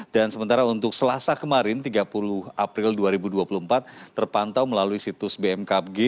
dan sementara untuk selasa kemarin tiga puluh april dua ribu dua puluh empat terpantau melalui situs bmkbg